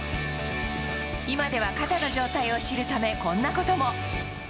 今では肩の状態を知るため、こんなことも。